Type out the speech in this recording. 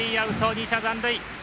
２者残塁。